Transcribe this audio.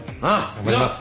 頑張ります。